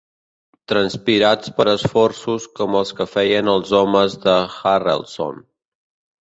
Transpirats per esforços com els que feien els homes de Harrelson.